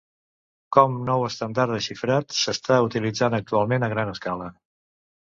Com nou estàndard de xifrat, s'està utilitzant actualment a gran escala.